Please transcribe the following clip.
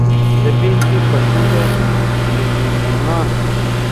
د بېلګې په توګه سیوډوموناس.